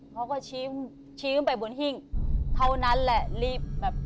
เขาก็ชี้ชี้ขึ้นไปบนหิ้งเท่านั้นแหละรีบแบบ